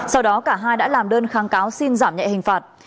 sau đó cả hai đã làm đơn kháng cáo xin giảm nhẹ hình phạt